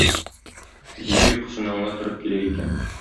Дию йокысыннан гына торып килә икән.